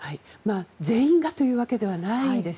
全員がというわけではないです。